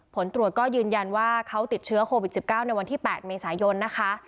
ผลตรวจก็ยืนยันว่าเขาติดเชื้อโควิด๑๙ในวันที่๘เมษายนนะคะ